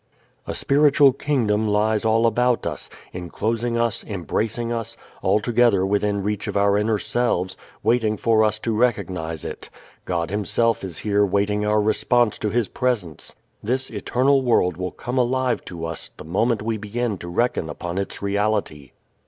A spiritual kingdom lies all about us, enclosing us, embracing us, altogether within reach of our inner selves, waiting for us to recognize it. God Himself is here waiting our response to His Presence. This eternal world will come alive to us the moment we begin to reckon upon its reality.